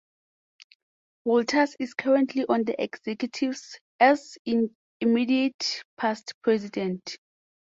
Walters is currently on the executive as immediate past president.